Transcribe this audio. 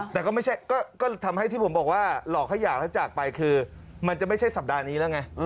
แต่ก็ไม่ใช่ก็ทำให้ที่ผมบอกว่าหลอกให้หย่าแล้วจากไปคือมันจะไม่ใช่สัปดาห์นี้แล้วไง